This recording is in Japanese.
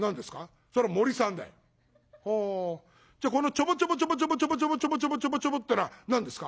じゃあこのちょぼちょぼちょぼちょぼちょぼちょぼちょぼちょぼちょぼちょぼってのは何ですか？」。